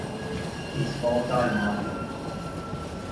Escolta armada